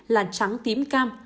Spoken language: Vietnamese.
là trắng tím cam